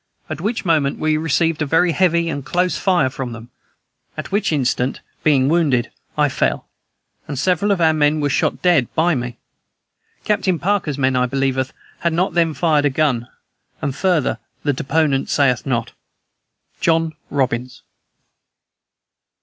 at which moment we received a very heavy and close fire from them; at which instant, being wounded, I fell, and several of our men were shot dead by me. Captain Parker's men, I believe, had not then fired a gun. And further the deponent saith not. "JOHN ROBINS."